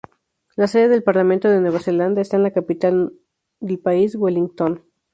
La sede del Parlamento de Nueva Zelanda está en la capital de país, Wellington.